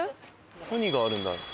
何があるんだろう？